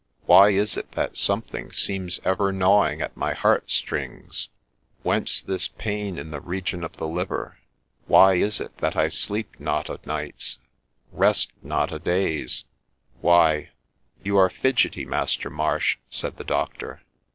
Why is it that something seems ever gnawing at my heart strings ?— Whence this pain in the region of the liver ?— Why is it that I sleep not o' nights, — rest not o' days ? Why '' You are fidgety, Master Marsh,' said the doctor.